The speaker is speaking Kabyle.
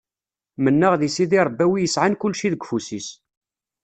Menneɣ di Sidi Ṛebbi a wi yesɛan kulci deg ufus-is.